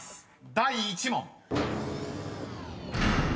第１問］